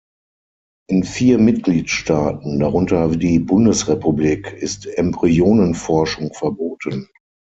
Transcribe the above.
In vier Mitgliedstaaten, darunter die Bundesrepublik, ist Embryonenforschung verboten.